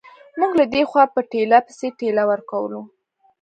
موږ له دې خوا په ټېله پسې ټېله ورکوله.